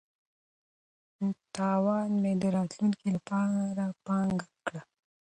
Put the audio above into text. تاوان مې د راتلونکي لپاره پانګه کړه.